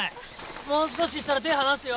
もう少ししたら手ぇ離すよ。